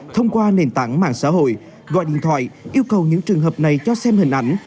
thông qua nền tảng mạng xã hội gọi điện thoại yêu cầu những trường hợp này cho xem hình ảnh